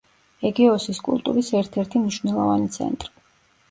ეგეოსის კულტურის ერთ-ერთი მნიშვნელოვანი ცენტრი.